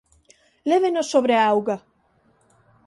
Lévenos sobre a auga.